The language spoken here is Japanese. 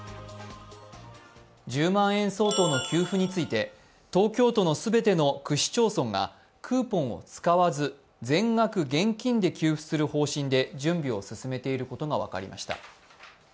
１０万円の給付について、東京都全ての区市町村がクーポンを使わず、全額現金で給付する方針で準備を進めていることが分かりました。